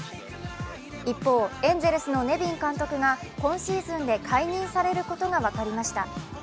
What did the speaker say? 一方、エンゼルスのネビン監督が今シーズンで解任されることが分かりました。